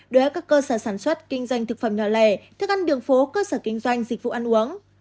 đối với các cơ sở sản xuất kinh doanh thực phẩm nhỏ lẻ thức ăn đường phố cơ sở kinh doanh dịch vụ ăn uống